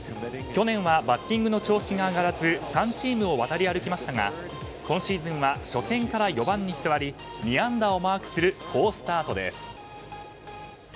去年はバッティングの調子が上がらず３チームを渡り歩きましたが今シーズンは初戦から４番に座り２安打をマークする好スタートです。